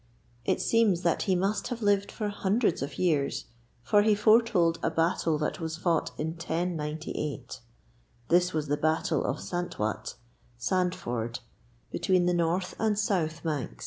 It seems that he must have lived for hundreds of years, for he foretold a battle that was fought in 1098. This was the Battle of Santwat, 'Sand Ford,' between the north and south Manx.